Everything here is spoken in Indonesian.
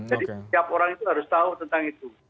jadi setiap orang itu harus tahu tentang itu